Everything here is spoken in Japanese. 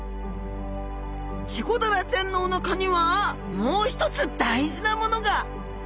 チゴダラちゃんのおなかにはもう一つ大事なものが！